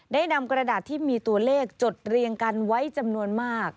ได้นำกระดาษที่มีตัวเลขจดเรียงกันไว้จำนวนมาก